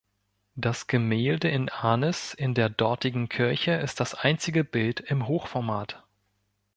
Das Gemälde in Arnis in der dortigen Kirche ist das einzige Bild im Hochformat.